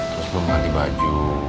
terus belum mandi baju